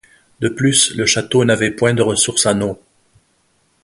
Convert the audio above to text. De plus le château n'avait point de ressource en eau.